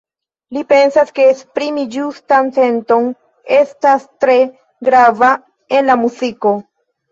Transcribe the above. Li pensas, ke esprimi ĝustan senton estas tre grava en la muziko.